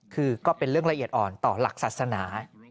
คือก็เป็นเรื่องละเอียดอ่อนต่อหลักศาสนา